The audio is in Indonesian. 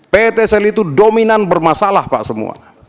ptsl itu dominan bermasalah pak semua